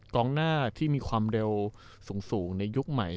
กองหน้าที่มีความเร็วสูงในยุคใหม่